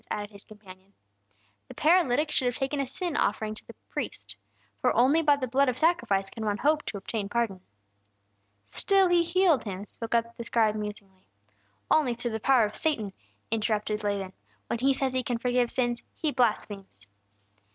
added his companion. "This paralytic should have taken a sin offering to the priest. For only by the blood of sacrifice can one hope to obtain pardon." "Still He healed him," spoke up the scribe, musingly. "Only through the power of Satan!" interrupted Laban. "When He says He can forgive sins, He blasphemes."